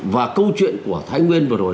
và câu chuyện của thái nguyên vừa rồi